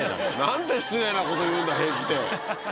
何て失礼な事言うんだ平気で。